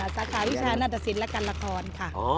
สาขาวิชาณาศิลป์และการละครค่ะ